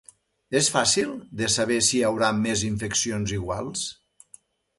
És fàcil de saber si hi haurà més infeccions iguals?